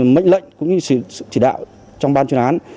mệnh lệnh cũng như sự chỉ đạo trong ban chuyên án